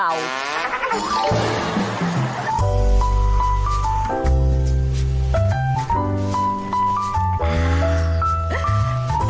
ลืมปะ